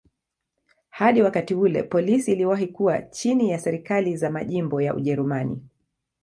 Hadi wakati ule polisi iliwahi kuwa chini ya serikali za majimbo ya Ujerumani.